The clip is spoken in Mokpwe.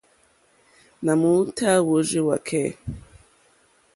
Nà m-ùtá wórzíwàkɛ́.